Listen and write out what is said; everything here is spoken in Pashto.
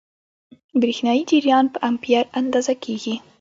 برېښنايي جریان په امپیر اندازه کېږي.